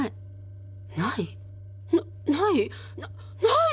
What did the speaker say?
ないない？